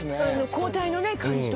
交代の感じとか。